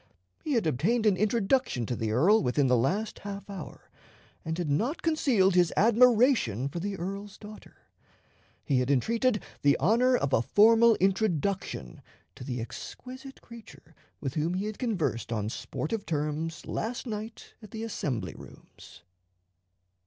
He had obtained an introduction to the earl within the last half hour, and had not concealed his admiration for the earl's daughter. He had entreated the honor of a formal introduction to the exquisite creature with whom he had conversed on sportive terms last night at the Assembly Rooms.